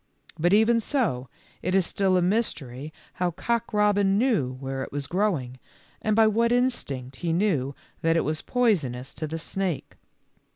But even so, it is still a mystery how Cock robin knew where it was growing, and by what instinct he knew that it was poisonous to the snake.